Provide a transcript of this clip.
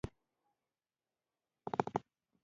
زیتون په ننګرهار کې ښه پایله ورکړې ده